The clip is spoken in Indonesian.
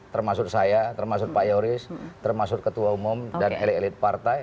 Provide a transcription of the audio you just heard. termasuk saya termasuk pak yoris termasuk ketua umum dan elit elit partai